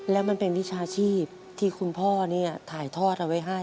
แล้วมันเป็นวิชาชีพที่คุณพ่อเนี่ยถ่ายทอดเอาไว้ให้